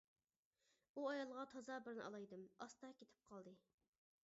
ئۇ ئايالغا تازا بىرنى ئالايدىم، ئاستا كېتىپ قالدى.